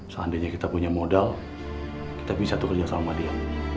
seandainya kita punya modal kita bisa bekerja sama dia